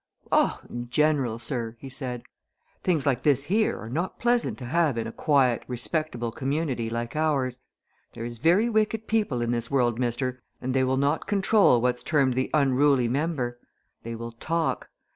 "Oh, in general, sir!" he said. "Things like this here are not pleasant to have in a quiet, respectable community like ours. There's very wicked people in this world, mister, and they will not control what's termed the unruly member. They will talk.